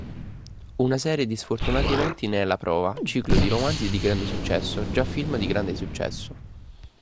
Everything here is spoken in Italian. Una serie di sfortunati eventi ne è la prova: ciclo di romanzi di grande successo, già film di grande successo